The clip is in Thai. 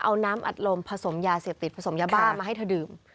เอาน้ำอัดลมผสมยาเสพติดผสมยาบ้ามาให้เธอดื่ม